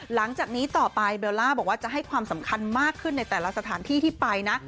หลังจากนี้ต่อไปเบลล่าบอกว่าจะให้ความสำคัญมากขึ้นในแต่ละสถานที่ที่ไปนะ